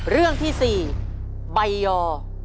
เรื่องที่๔ใบยอ